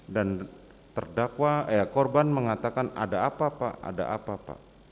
dan terdakwa korban mengatakan ada apa pak ada apa pak